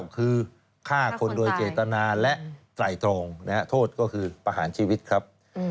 คือฆ่าคนโดยเจตนาและไตรตรองโทษก็คือประหารชีวิตครับ